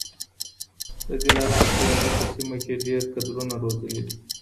د دلارام ښوونځي په سیمه کي ډېر کدرونه روزلي دي.